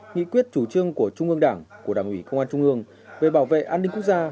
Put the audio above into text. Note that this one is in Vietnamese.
nghị quyết chủ trương của trung ương đảng của đảng ủy công an trung ương về bảo vệ an ninh quốc gia